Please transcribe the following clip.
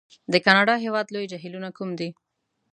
د کانادا د هېواد لوی جهیلونه کوم دي؟